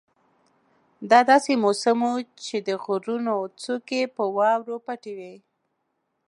دا داسې موسم وو چې د غرونو څوکې په واورو پټې وې.